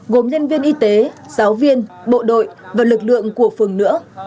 gồm nhân viên y tế giáo viên bộ đội và lực lượng của phường nữa